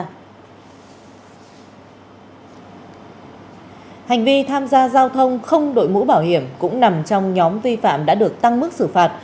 hành vi tham gia giao thông không đội mũ bảo hiểm cũng nằm trong nhóm vi phạm đã được tăng mức xử phạt